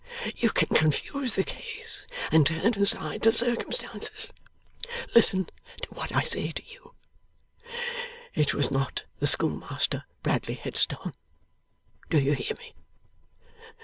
You can confuse the case, and turn aside the circumstances. Listen to what I say to you. It was not the schoolmaster, Bradley Headstone. Do you hear me?